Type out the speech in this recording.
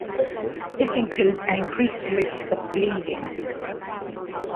This includes an increased risk of bleeding.